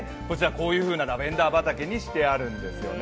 こういうふうなラベンダー畑にしてあるんですよね。